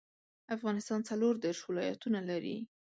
افغانستان څلوردیرش ولایاتونه لري